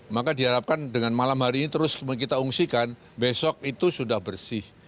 maka diharapkan dengan malam hari ini terus kita ungsikan besok itu sudah bersih